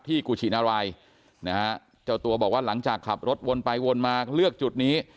กุชินารายนะฮะเจ้าตัวบอกว่าหลังจากขับรถวนไปวนมาเลือกจุดนี้